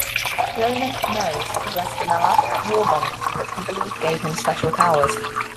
Roman Nose possessed an elaborate warbonnet that he believed gave him special powers.